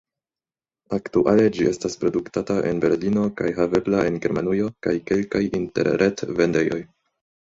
Aktuale ĝi estas produktata en Berlino kaj havebla en Germanujo kaj kelkaj interret-vendejoj.